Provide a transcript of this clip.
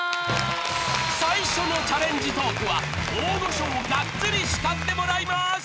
［最初のチャレンジトークは大御所をがっつり叱ってもらいます］